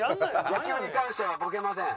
野球に関してはボケません。